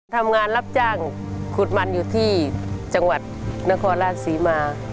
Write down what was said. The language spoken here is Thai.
ทำงานรับจ้างขุดมันอยู่ที่จังหวัดนครราชศรีมา